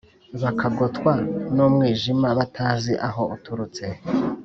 bakagotwa n’umwijima batazi aho uturutse,